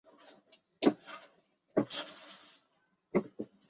中庭北端的主楼为皇家学院所在。